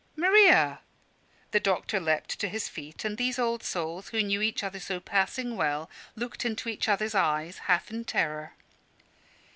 "Maria!" The doctor leapt to his feet: and these old souls, who knew each other so passing well, looked into each other's eyes, half in terror.